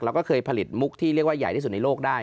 แล้วก็เคยผลิตมุกที่เรียกว่าใหญ่ที่สุดในโลกได้